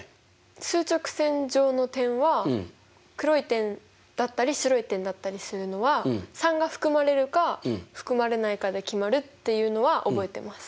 数直線上の点は黒い点だったり白い点だったりするのは３が含まれるか含まれないかで決まるっていうのは覚えてます。